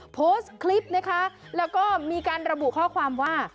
โพสต์คลิปนะคะแล้วก็มีการระบุข้อความว่า